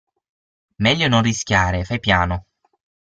Meglio non rischiare, fai piano.